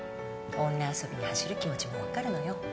女遊びに走る気持ちも分かるのよ。